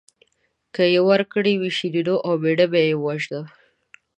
که یې ورکړې وه شیرینو او مېړه به یې ووژنم.